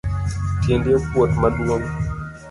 Tiendi okuot maduong.